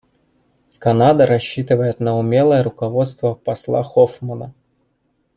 Канада рассчитывает на умелое руководство посла Хоффмана.